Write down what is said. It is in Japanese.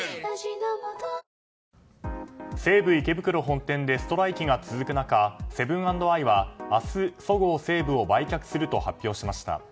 西武池袋本店でストライキが続く中セブン＆アイは明日、そごう・西武を売却すると発表しました。